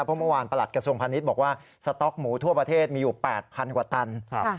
เพราะเมื่อวานประหลัดกระทรวงพาณิชย์บอกว่าสต๊อกหมูทั่วประเทศมีอยู่๘๐๐กว่าตัน